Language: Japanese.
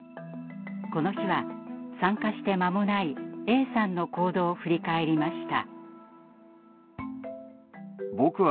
この日は参加して間もないＡさんの行動を振り返りました。